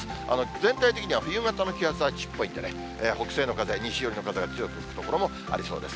全体的には冬型の気圧配置っぽいんでね、北西の風、西寄りの風が強く吹く所もありそうです。